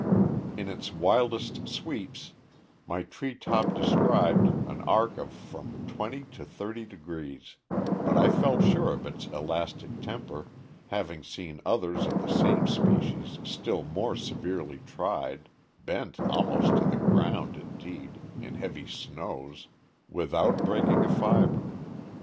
] "In its wildest sweeps my treetop described an arc of from twenty to thirty degrees, but I felt sure of its elastic temper, having seen others of the same species still more severely tried bent almost to the ground, indeed, in heavy snows without breaking a fiber.